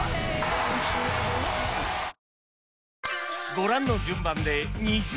ご覧の順番で２巡